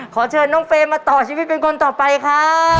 ขอเชิญน้องเฟรมมาต่อชีวิตเป็นคนต่อไปครับ